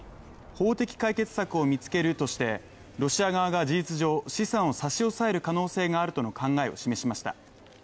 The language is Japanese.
法的解決策を見つけるとしてロシア側が事実上、資産を差し押さえる可能性があるとの考えを示しました。